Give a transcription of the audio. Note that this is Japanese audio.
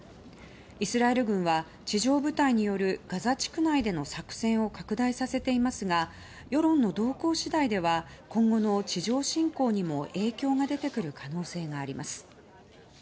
イスラエル軍は地上部隊によるガザ地区内での作戦を拡大させていますが世論の動向次第では今後の地上侵攻にも影響が出てくる可能性があります。